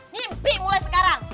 mimpi mulai sekarang